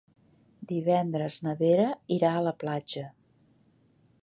Divendres na Vera irà a la platja.